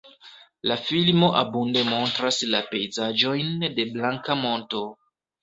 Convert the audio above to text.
La filmo abunde montras la pejzaĝojn de Blanka Monto.